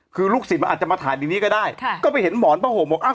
คือลูกศิษย์อาจจะมาถ่ายในนี้ก็ได้ค่ะก็ไปเห็นหมอนผ้าห่มบอกอ้าว